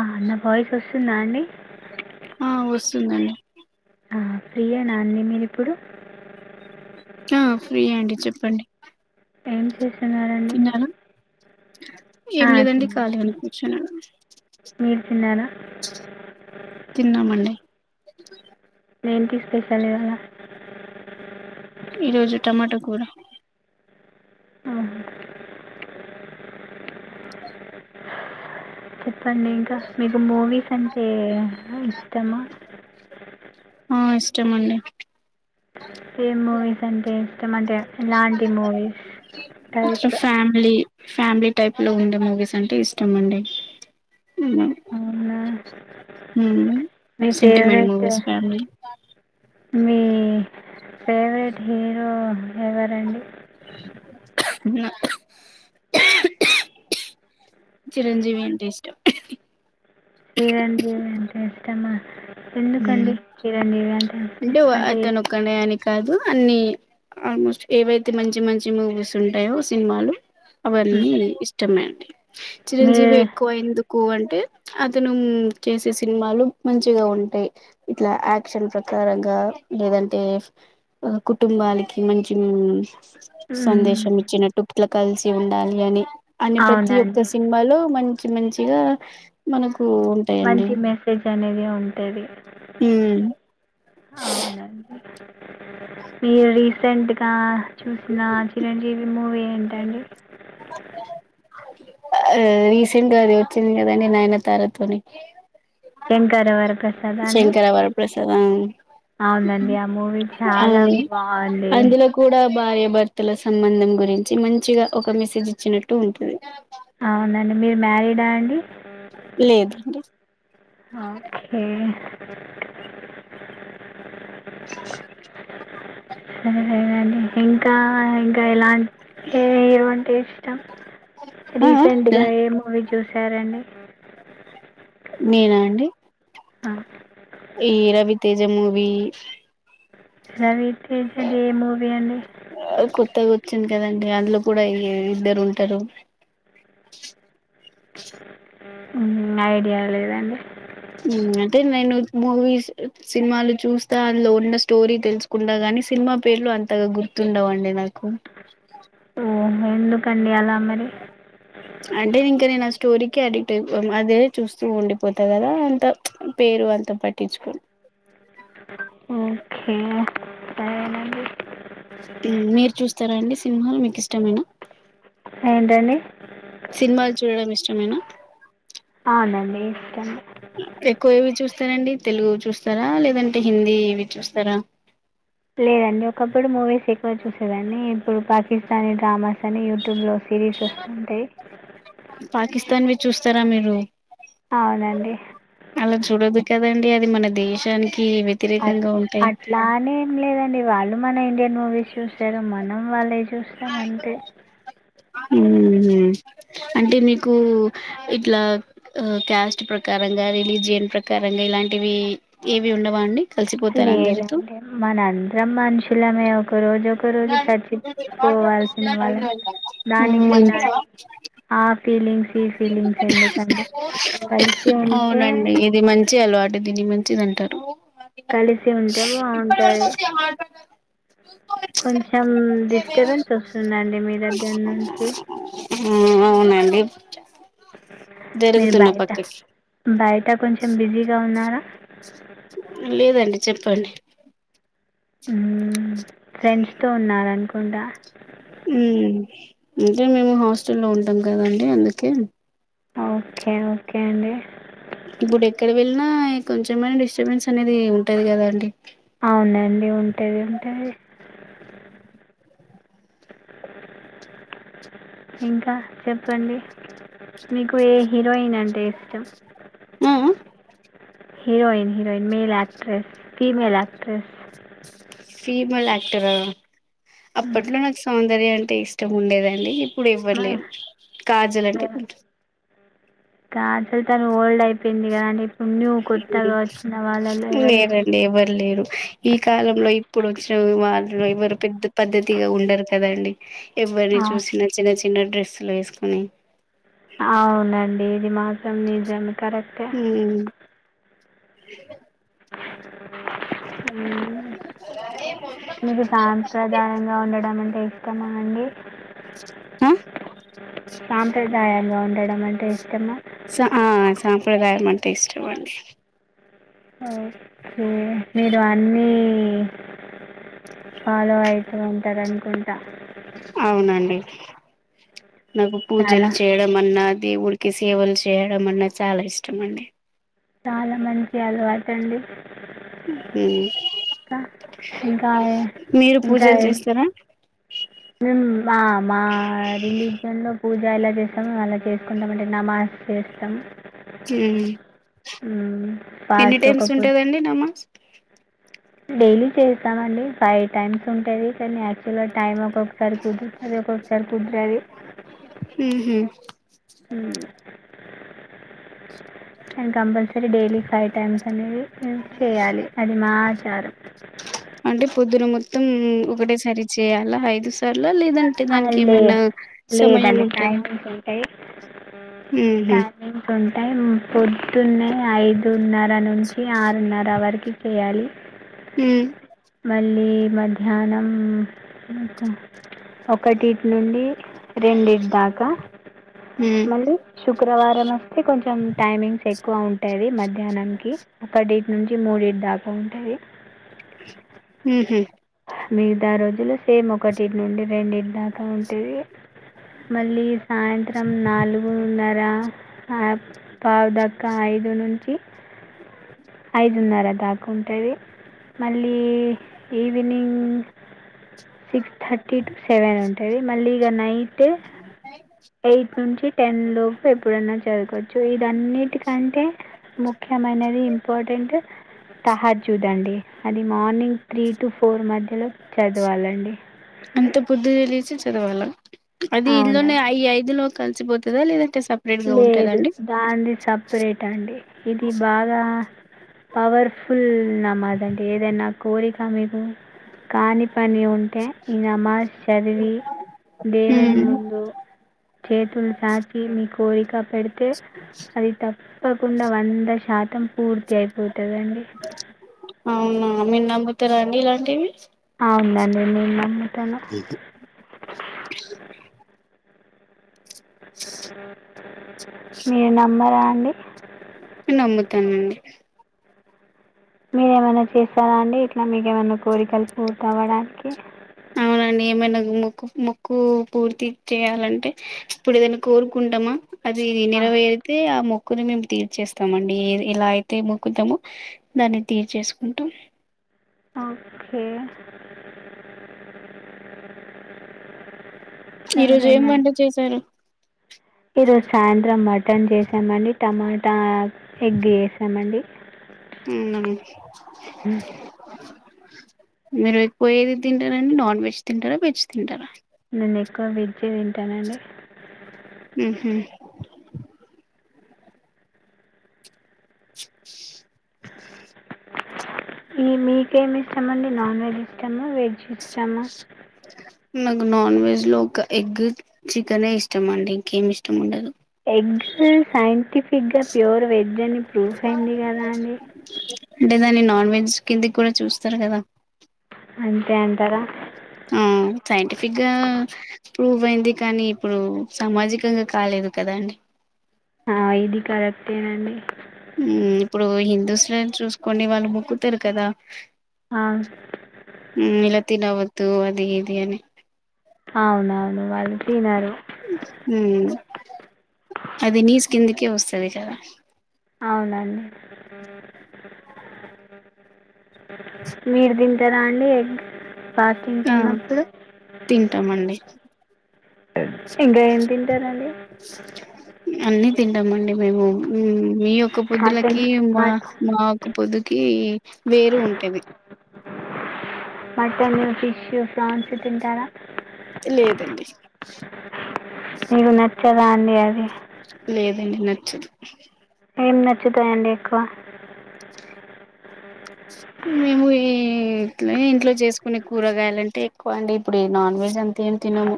ఆ నా వాయిస్ వస్తుందా వస్తుందా అండి ఆ వస్తుందండి ఫ్రీయనా అండి మీరిప్పుడు ఆ ఫ్రీ అండి చెప్పండి ఎం స్తున్నరూ అండి తిన్నారా ఏం ఆ లేదండి తిన్నాం ఖాళీగానే అండి కూర్చున్నాను మీరు తిన్నారా తిన్నాం అండి ఏమిటి స్పెషల్ ఇవాళ ఈరోోజు టమాటా కూర ఆ, చెప్పండి ఇంకా మీకు మూవీస్ అంటే ఇష్టమా ఆ ఇష్టమండి ఏ మూవీస్ అంటే ఇష్టం అంటే ఎలాంటి మూవీస్ అ టైప్ ఫ్యామిలీ ఫ్యామిలీ టైప్ లో ఉండే మూవీస్ అంటే ఇష్టం అండి అవునా మీ సెంటిమెంట్ ఫేవరెట్ ముూవస్ ఫ్యామిలీ ఓ మీ ఫేవరెట్ హీరో ఎవరండి చిరంజీవి అంటే ఇష్టం చీరంజీవి అంటే ఇష్టమా ఉమ్ ఎందుకండి చిరంజీవి అంటే ఇష్టం వా- అంటే అతను ఒక్కడే అని కాదు అన్ని ఆల్మోస్ట్ ఏవైతే మంచి మంచి మూవీస్ ఉంటాయో సినిమాలు అవని మ్, ఇష్టం చంపండి మీ చిరంజీవి ఎక్కువ ఎందుకు ఎక్కువ అంటే అతను చేసే సినిమాలు మంచిగా ఉంటాయి ఇట్లా యాక్షన్ ప్రకారంగా లేదంటే కుటుంబాలకి మంచి మూవీ సందేశం మ్, సందేశం ఇచి నాటు కలిసి ఉండాలి అని అనే ప్రతి ఒక్క అవునండి సినిమాలో మంచి మంచి గా మనకు ఉంటాయండి మంచి మెసేజ్ అనేది ఉంటంది అదె ఉమ్ అవునండి మీరు రీసెంట్ గా చూసిన చిరంజీవి మూవీ ఏంటి అండి ఆ రీసెంట్ గా అది వచ్చింది కదండి నాయన తారతోని శంకర్ వర ప్రసాద్ అండి వరప్రసాద్ ఆ అవునండి ఆ మూవీ ఆ చాలా బాగుంది. అందులో కూడా భార్య భర్తల సంబంధం గురించి మంచిగా ఒక మెసేజ్ ఇచ్చినట్టు ఉంటుంది. అవునండి మీరు మ్యారీడా అండి. లేదు. ఓకే సరేలేగాని ఇంకా ఇంకా ఎలా ఏ ఏవ అంటే ఇష్టం ఆ ఆ రీసెంట్గా ఏ మూవీ చూసారండి నేనా అండి అ ఈ రవితేజ మూవి రవీ తేజ ఏ మూవీ అండి వచ్చిన కదండి అందులో కూడా ఇద్దరు ఉంటారు మ్మ్ ఐడియా లేదండి హ్మ్ అంటే నేను మూవీస్ సినిమాలు చూస్తా అందులో ఉన్న స్టోరీ తెలుసుకుంటా గాని సినిమా పేర్లు అంతగా గుర్తుండవండి నాకు ఓ ఎందుకు అండి అల అంటే ఇంకా నేను స్టోరీకి అడిక్ట్ అయి అదే చూస్తూ ఉండిపోతా కదా అంత పేరు అంత పట్టించుకొను మ్మ్ మీరు చూస్తారా అండి సినిమా మీకు ఇష్టమైన ఏంటండి సినిమాలు చూడడం ఇష్టమేనా అవునండి ఇష్టం ఎక్కువ ఏవి చూస్తారండి తెలుగు చూస్తారా లేదంటే హిందీ ఇవి చూస్తారా లేదండి ఒకప్పుడు మూవీస్ ఎక్కువ చూసేదాండి ఇప్పుడు పాకిస్తానీ డ్రామాస్ అని యూ టూబ్ లో సిరీస్ వస్తుంటాయి పాకిస్తాన్ వి చూస్తారా మీరు అవునండి అలా చూడదు కదండి అది మన దేశానికి అ వ్యతిరేకంగా ఉంటాయి అట్లానే ఏం లేదండి వాళ్ళు మన ఇండియా న్నో వి చూసారు మనం వాళ్ళే చూస్తాం అంతే మ్మ్ హ్మ్ అంటే మీకు ఇట్లా క్యాస్ట్ ప్రకారంగా రిలీజియన్ ప్రకారంగా ఇలాంటివి ఏవి ఉండవా అండి కలిసిపోతారు అందరితో లేదండి మనందరం మనుషులమే ఒక రోజు ఒక రోజు చచ్చిపోవాల్సిన వాళ్ళం దానికి మంచి ఇలాంటి ఆ ఫీలింగ్స్ ఈ ఫీలింగ్స్ ఎందుకండి. కలిసి ఉంటే అవునండి ఇది మంచి అలవాటు అంటే దీని మంచిది అంటారు కలిసి ఉంటే బాగుంటాది కొంచెం డిస్టబెన్స్ వస్తుందండి మీ దగ్గర అంచి ఇ మీరు బయట పక్కకి బయట కొంచెం బిజీగా ఉన్నారా లేదండి చెప్పండి ఫ్రెండ్స్ తో ఉన్న అనుకుంటా అంటే మేము హాస్టల్లో ఉంటాం కదండి అందుకే ఓకే ఓకే అండి ఇప్పుడు ఎక్కడ వెళ్ళినా కొంచెంమ డిస్టర్బెన్స్ అనేది ఉంటది కదా అండి అవునండి ఉంటుంది ఉంటుంది ఇంకా చెప్పండి మీకు ఏ హీరోయిన్ అండి టేస్టాఆ మ్ heroine heroine male actress female actress female actor మ్మ్. అప్పట్లో నాకు సౌందర్యం అంటే ఇష్టం ఉండేదండి ఇప్పుడు మ- ఇవ్వర్లేరు కాజల్ అంటే మ- కొం కాజల్ తను ఓల్డ్ అయిపోయింది కదా అండి ను్వు కొత్తగా వచ్చిన వాళ్ళలో ఎవరి ఇస్త లేరండి ఎవరు లేరు ఈ కాలంలో ఇప్పుడు వచ్చిన వాళ్ళు ఎవరు పెద్ద పద్ధతిగా ఉండరు కదండి ఆ, ఎవరిని చూసిన చిన చి చిన్న డ్రెస్సులు వేసుకొని అవునండి ది మాసం నిజ కరెక్టే ఉమ్ [inaudible] హ అే [unintelligible] మీకు సాంప్రదాయంగా ఉండడం అంటే ఇష్టమా అండి క సాంప్రదాయంగా ఉండడం అంటే ఇష్టము సంప్రదాయంమంటే ఇష్టం అండి ఓకే మీరు అన్నీ ఫాలోయి ఉంటార్ అనికొ అవునండీ [inaudible] నాకు పుజలు చాలా చేయడం అన్న దేవుడికి సేవల్ చేయడం అన్న చాలా ఇష్టం అండి చలా మంచి అలవాట అండి ఇంకా ఇంకా ఏ- మిరు పూజలు చేస్తార మిం మ మా రిలీజన్లో పూజ. ఎల చేస్తాం అల చేసుకుంటాం మండి నమాజ్ చేస్తం మ్మ్ ఉమ్ ఎన్ని టైమ్స్ ఉంటదండి నమాస్ డైలి చేస్తామండి ఫైవ్ టైమ్స్ ఉంటయి కాని, యాక్టువల్గా టైమ్ ఒక. ఒకసరి కుదురుతది ఒక్కొక్కసారి కుదురది ఉహు ఉమ్మ్ కాని కంపల్సరి డైలి ఫైవ్ టైమ్స్ అనేవి మిం చేయాలి, అది మా ఆచారం అంటే పొద్దున మొత్తం ఒకటేసరి చేయాలా ఐదు లేదంటే ఆ, దానికి లే ఏమైనా సమయం ఉంటద [inaudible] కవిన్స్ టైం పొద్దున్నే ఐదున్నర నుంచి ఆరున్నర వరకి చెయాలి ఉ మళ్ళీ మధ్యాహ్నం ఉమ్ ఒకటిట్ నుండి రెండిట్ దాకా ఉ మళ్ళీ శుక్రవారం అనా అయిత్ కొంచెం టైమింగ్స్ ఎక్కువ ఉంటాది మధ్యాహ్నంకి ఒక డే నుంచి ముడిటి దాకా ఉంటది ఉమ్ హు మిగిత రోజులు సేమ్ ఒకటిట్ నుండి రెండింటి దాకా ఉంటుంది మళ్ళీ సాయంత్రం నాలుగున్నారా హాయి పావుదక్క ఐదు నుంచి ఐదున్నర దాకా ఉంటది మల్- మళ్ళీ evening six thirty to seven ఉంటయి మళ్ళీ ఇగ నైట్ ఎయిట్ నుంచి టెన్ లోపు ఎప్పుడన్నా చదువుకోవచ్చు ఇ అన్నిటికంటే ముఖ్యమైనది, ఇంపార్టెంట్ తహార్ చూదండి అది మార్నింగ్ త్రీ టు ఫోర్ మధ్యలో చదవాలండి. అంత పొద్దున లేచి చదవాలా అది ఇల్లోనే అవునండి ఐ ఐదు లో కలిసిపోతదా లేద లేదు దాంది సపరేట్ టండి ఇది బాగా పవర్ఫుల్ నమాదండి ఏదైనా కోరిక మీకు కాని పని ఉంటే ఈ నమాజ్ చదివి దేవుని ముందు చేతులు చాచి మీకు కోరిక పెడితే అది తప్పకుండా వంద శాతం పూర్తి అయిపోతదండి. అవునా మీరు నమ్ముతరా అండీ ఇలాంటివి అవునండి నేను నమ్ముతను మీరు నమ్మరాన్ అండి నమ్ముతానండి మీరేమైనా చేసారా అండి ఇట్లా మీకేమన్నా కోరికలు పూర్త అవ్వడానికి అవునండి ఏమైనా ముక్కు మొక్కు పూర్తి చేయాలంటే ఇప్పుడు ఏదైనా కోరుకుంటామా అది ఆ, నరవేరితే ఆ మొక్ మొక్కుని మేము తీర్చేస్తామండి ఏ ఎలా అయితే మొక్కుతామో దాన్ని తీర్చేసుకుంటాం. అ హ్మ్ ఈరోజు ఏం వంట చేశారు? ఈరోజు సాయంత్రం మటన్ చేసామండి టమాటా ఎగ్ చేసామండి. మ్మ్ నమ్ మ్మ్. మీరు ఎక్కువ ఏది తింటరాండి నాన్ వెజ్ తింటారా వెజ్ తింటరా నేనెక్కువ వెజ్జే తింటానండి. ఊ హ్మ్ ఈ మీకేమి ఇష్టమండి నాన్వెజ్ ఇష్టమా వెజ్ ఇస్టమా నాకు నాన్ వెజ్ లో ఒక ఎగ్గు చికెనే ఇష్టం అండి ఇంకేమి ఇష్టం ఉండదు. ఎగ్గు సైంటిఫ్ ఫిగ్గా ప్యూర్ వెజ్ అని ప్రూఫ్ అయింది కదా అండి. అంటే దాన్ని నాన్ వెజ్ కిందికి కూడా చూస్తారు కదా అంతే అంటారా ఆ సైంటిఫిక్గా ప్రూవ్ అయింది కానీ ఇప్పుడు సామాజికంగా కాలేదు కదా అండి ఆ ఇది కరెక్టేనండి మ్మ్ ఇప్పుడు హిందుస్ లో ఏం చూసుకోండి వాళ్ళు మొక్కుతారు కదా ఆ, [inaudible] త అది ఇది అని అవునవును వాళ్ళు తినరు అది నీసు కిందికే వస్తుది కదా అవునండి మీరు తింటారా అండి ఎగ్ ఫాస్టింగ్స్ ఆ ఉన్నప్పుడు తింటామండి ఇంకా ఏం తింటారంండి తింటాంమండి మేము మీయొక్క మటన్ పొద్దులకి మా మట్ మా యొక్క పొద్దుకి వేరు ఉంటేది మటన్ ఫిష్ు ఫన్స్ తింటారా లేదండి ఇగ నచ్చదా అన్నిడి లే అ నచ్చదు ఏం నచ్చుతాయండి ఎక్కువ మేము ఈ ఇంట్లో చేసుకునే కూరగాయలుంటే ఎక్కువ అండి ఇప్పుడు ఈ నాన్ వెజ్ అంతా ఏం తినము